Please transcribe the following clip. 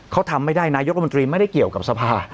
เขาทำไม่ได้นายกรัฐมนตรีไม่ได้เกี่ยวกับสภา